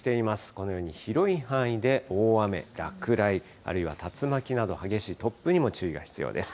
このように広い範囲で大雨、落雷、あるいは竜巻など、激しい突風にも注意が必要です。